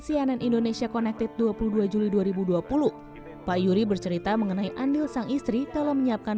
cnn indonesia connected dua puluh dua juli dua ribu dua puluh pak yuri bercerita mengenai andil sang istri dalam menyiapkan